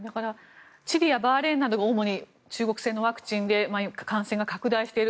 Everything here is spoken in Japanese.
チリやバーレーンなどが主に中国製のワクチンで感染が拡大している。